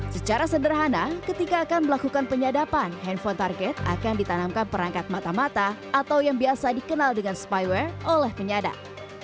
secara sederhana ketika akan melakukan penyadapan handphone target akan ditanamkan perangkat mata mata atau yang biasa dikenal dengan spyware oleh penyadap